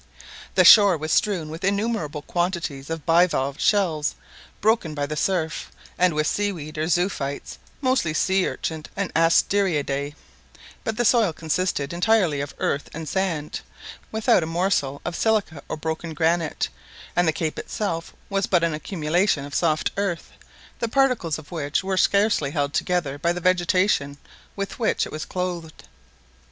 The shore was strewn with innumerable quantities of bivalve shells broken by the surf, and with seaweed or zoophytes, mostly sea urchins and asteriadæ; but the soil consisted entirely of earth and sand, without a morsel of silica or broken granite; and the cape itself was but an accumulation of soft earth, the particles of which were scarcely held together by the vegetation with which it was clothed.